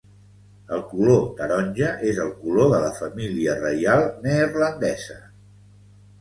El color taronja és el color de la família reial neerlandesa.